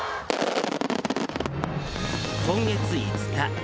今月５日。